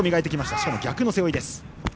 しかも、逆の背負いです。